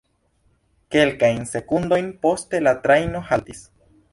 Kelkajn sekundojn poste la trajno haltis.